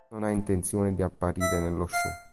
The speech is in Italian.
Non ha intenzione di apparire nello show.